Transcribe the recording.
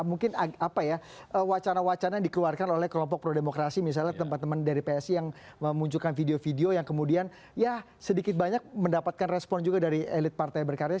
mungkin apa ya wacana wacana yang dikeluarkan oleh kelompok pro demokrasi misalnya teman teman dari psi yang memunculkan video video yang kemudian ya sedikit banyak mendapatkan respon juga dari elit partai berkarya